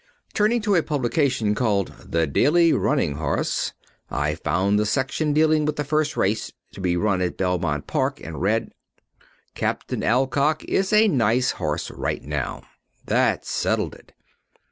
Turning to a publication called The Daily Running Horse, I found the section dealing with the first race to be run at Belmont Park and read, "Captain Alcock is a nice horse right now." That settled it.